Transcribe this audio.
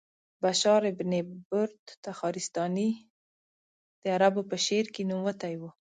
بشار بن برد تخارستاني د عربو په شعر کې نوموتی و.